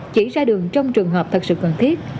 chỉ ra đường trong trường hợp thật sự cần thiết